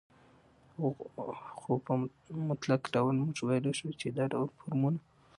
خو په مطلق ډول موږ وويلى شو، چې دا ډول فورمونه